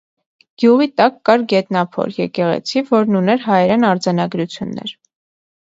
Գյուղի տակ կար գետնափոր եկեղեցի, որն ուներ հայերեն արձանագրություններ։